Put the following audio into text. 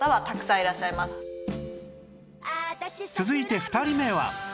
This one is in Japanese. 続いて２人目は